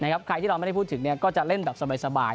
ใครที่เราไม่ได้พูดถึงก็จะเล่นแบบสบาย